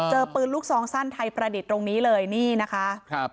ปืนลูกซองสั้นไทยประดิษฐ์ตรงนี้เลยนี่นะคะครับ